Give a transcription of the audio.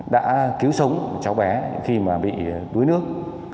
đã cứu sống cho bé khi bị đuối nước